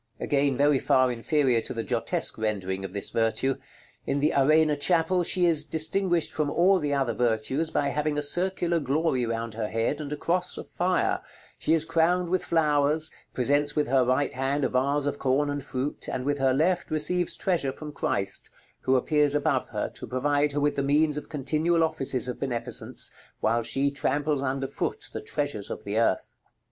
Again very far inferior to the Giottesque rendering of this virtue. In the Arena Chapel she is distinguished from all the other virtues by having a circular glory round her head, and a cross of fire; she is crowned with flowers, presents with her right hand a vase of corn and fruit, and with her left receives treasure from Christ, who appears above her, to provide her with the means of continual offices of beneficence, while she tramples under foot the treasures of the earth.